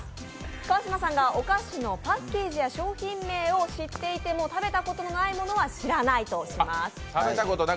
川島さんがお菓子のパッケージや商品名を知っていても食べたことのないものは知らないとします。